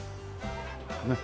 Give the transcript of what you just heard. ねっ。